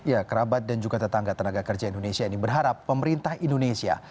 ya kerabat dan juga tetangga tenaga kerja indonesia ini berharap pemerintah indonesia